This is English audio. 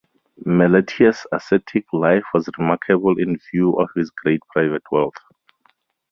Meletius ascetic life was remarkable in view of his great private wealth.